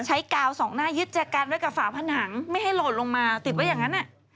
กาวสองหน้ายึดแจกันไว้กับฝาผนังไม่ให้โหลดลงมาติดไว้อย่างนั้น